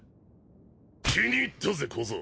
気に入ったぜ小僧！